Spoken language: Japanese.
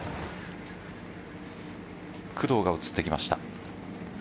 工藤が映ってきました。